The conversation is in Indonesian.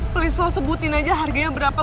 please lo sebutin aja harganya berapa